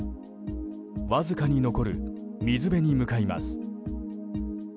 わずかに残る水辺に向かいます。